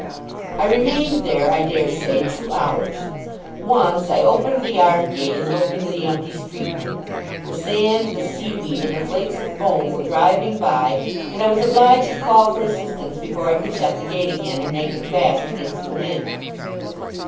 I remained there, I dare say, two hours. Once, I opened the yard gate, and looked into the empty street. The sand, the sea weed, and the flakes of foam, were driving by; and I was obliged to call for assistance before I could shut the gate again, and make it fast against the wind.